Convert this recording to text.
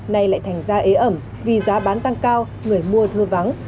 nay lại thành ra ế ẩm vì giá bán tăng cao người mua thưa vắng